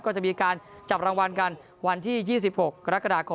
ก็จะมีการจับรางวัลกันวันที่๒๖กรกฎาคม